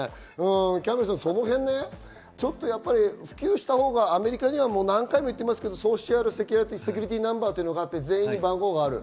キャンベルさん、普及したほうがアメリカには何回も言ってますけどセキュリティーナンバーというのがあって全員番号があります。